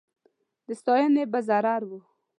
د ستایني به ضرور و